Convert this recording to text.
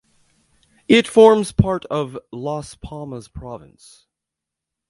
It forms part of Las Palmas Province.